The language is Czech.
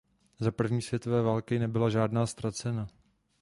Za první světové války nebyla žádná ztracena.